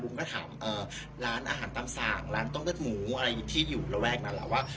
ก็ถามร้านอาหารตามสั่งร้านต้มเลือดหมูอะไรที่อยู่ระแวกนั้นแหละว่า